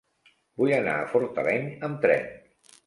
Vull anar a Fortaleny amb tren.